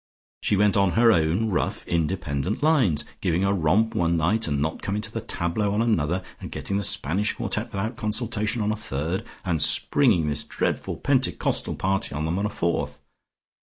She went on her own rough independent lines, giving a romp one night, and not coming to the tableaux on another, and getting the Spanish Quartet without consultation on a third, and springing this dreadful Pentecostal party on them on a fourth.